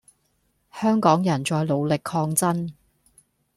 香港人在努力抗爭